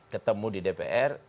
ketemu di dpr